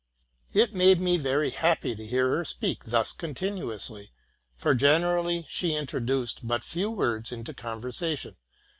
'' It made me very happy to hear her speak thus continuously, for generally she introduced but few words into conversation.